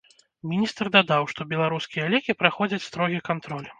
Міністр дадаў, што беларускія лекі праходзяць строгі кантроль.